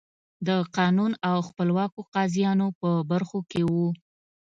د قانون او خپلواکو قاضیانو په برخو کې وو.